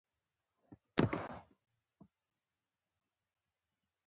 کښېنه قلم پر مېز کښېږده!